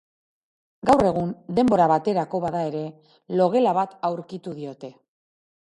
Gaur egun, denbora baterako bada ere, logela bat aurkitu diote.